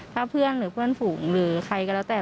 ถ้าเพื่อนหรือเพื่อนฝูงหรือใครก็แล้วแต่